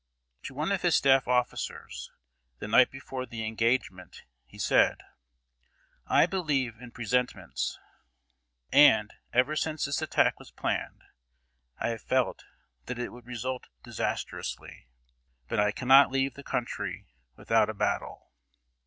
To one of his staff officers, the night before the engagement, he said: "I believe in presentiments, and, ever since this attack was planned, I have felt that it would result disastrously. But I cannot leave the country without a battle."